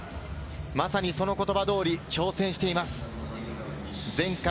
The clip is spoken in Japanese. まさに、その言葉通り挑戦しています。